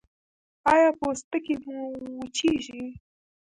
ایا پوستکی مو وچیږي؟